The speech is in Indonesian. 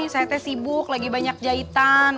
saatnya sibuk lagi banyak jahitan